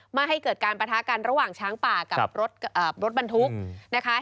ไม่ให้เกิดการประทะกันระหว่างช้างป่ากับรถบรรทุกนะคะ